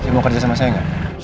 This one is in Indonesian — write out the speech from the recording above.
mau kerja sama saya nggak